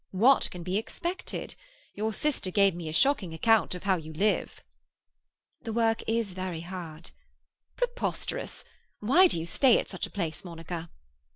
What can be expected? Your sister gave me a shocking account of how you live." "The work is very hard." "Preposterous. Why do you stay at such a place, Monica?"